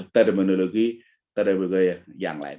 terminologi terminologi yang lain